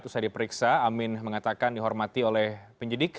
setelah diperiksa amin mengatakan dihormati oleh penyidik